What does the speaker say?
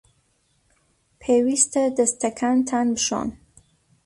پێویستە دەستەکانتان بشۆن.